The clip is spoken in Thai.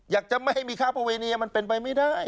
อยากจะไม่ให้มีค้าประเวณีมันเป็นไปไม่ได้